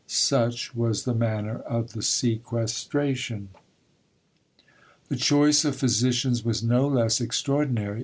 Such was the manner of the sequestration! The choice of physicians was no less extraordinary.